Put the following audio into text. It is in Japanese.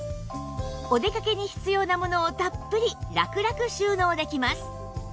お出かけに必要なものをたっぷりラクラク収納できます